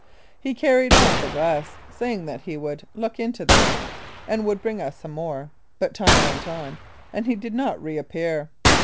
He carried off the glass, saying that he would "look into this " and would bring us some more, but time went on, and he did not reappear.